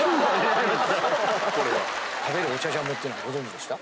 食べるお茶ジャムっていうのはご存じでした？